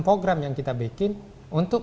program yang kita bikin untuk